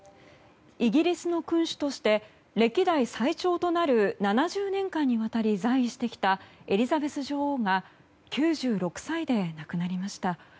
イギリスの君主として歴代最長となる７０年間にわたり在位してきたエリザベス女王が９６歳で亡くなりました。